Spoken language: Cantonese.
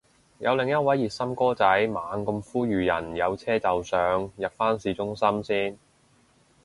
有另一位熱心哥仔猛咁呼籲人有車就上，入返市中心先